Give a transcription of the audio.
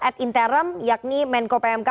ad interim yakni menko pmk